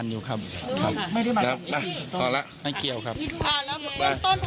ขออนุญาตเรียนถาม